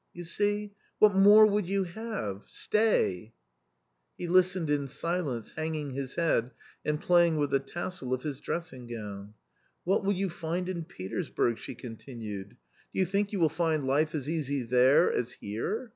You see. What more would you have ? Stay !" He listened in silence, hanging his head and playing with the tassel of his dressing gown. " What will you find in Petersburg ?" she continued. " Do you think you will find life as easy there as here?